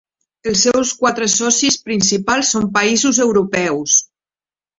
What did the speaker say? Els seus quatre socis principals són països europeus.